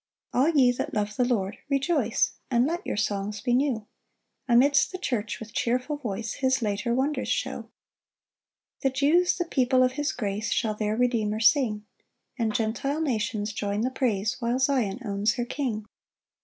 1 All ye that love the Lord, rejoice, And let your songs be new; Amidst the church with cheerful voice His later wonders shew. 2 The Jews, the people of his grace, Shall their Redeemer sing; And Gentile nations join the praise, While Zion owns her King.